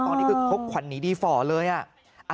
ตอนนี้คือคกขวัญหนีดีฟอร์เลยอ่ะ